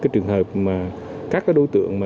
trường hợp các đối tượng